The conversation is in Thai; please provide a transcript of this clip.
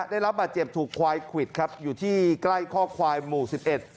ได้รับบาดเจ็บถูกควายควิดครับอยู่ที่ใกล้ข้อควายหมู่สิบเอ็ด